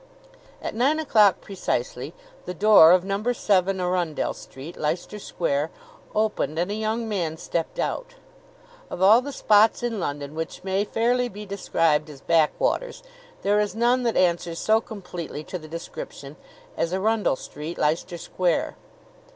At nine o'clock precisely the door of Number Seven Arundell Street, Leicester Square, opened and a young man stepped out. Of all the spots in London which may fairly be described as backwaters there is none that answers so completely to the description as Arundell Street, Leicester Square.